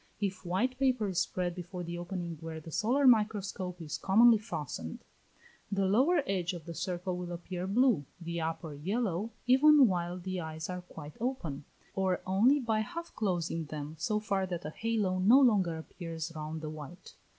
If white paper is spread before the opening where the solar microscope is commonly fastened, the lower edge of the circle will appear blue, the upper yellow, even while the eyes are quite open, or only by half closing them so far that a halo no longer appears round the white.